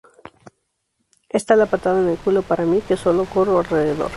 Es tal la patada en el culo para mí, que solo corro alrededor.